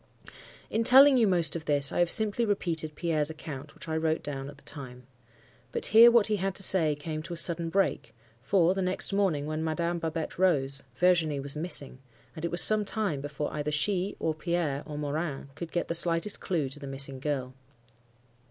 "In telling you most of this, I have simply repeated Pierre's account, which I wrote down at the time. But here what he had to say came to a sudden break; for, the next morning, when Madame Babette rose, Virginie was missing, and it was some time before either she, or Pierre, or Morin, could get the slightest clue to the missing girl.